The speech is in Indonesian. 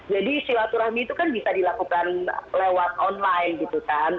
jadi silaturahmi itu kan bisa dilakukan lewat online gitu kan